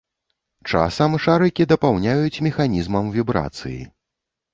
Часам шарыкі дапаўняюць механізмам вібрацыі.